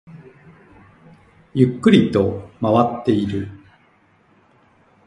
ゆっくりと回っている